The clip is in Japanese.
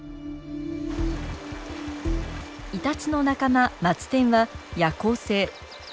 イタチの仲間マツテンは夜行性。